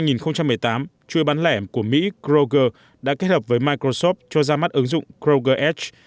năm hai nghìn một mươi tám chuôi bán lẻ của mỹ kroger đã kết hợp với microsoft cho ra mắt ứng dụng kroger edge